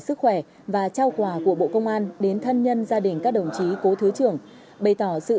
sức khỏe và trao quà của bộ công an đến thân nhân gia đình các đồng chí cố thứ trưởng bày tỏ sự